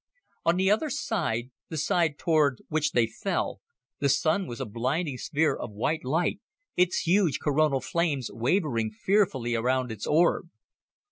On the other side, the side toward which they fell, the Sun was a blinding sphere of white light, its huge coronal flames wavering fearfully around its orb.